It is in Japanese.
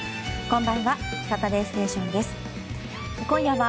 こんばんは。